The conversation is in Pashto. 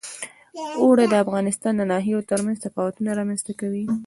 اوړي د افغانستان د ناحیو ترمنځ تفاوتونه رامنځ ته کوي.